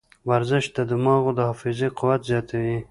ورزش د دماغو د حافظې قوت زیاتوي.